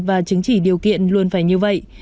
và chứng chỉ điều kiện luôn phải như vậy